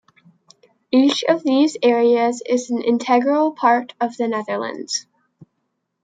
Each of these areas is an integral part of the Netherlands.